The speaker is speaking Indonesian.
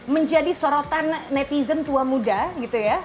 menjadi sorotan netizen tua muda gitu ya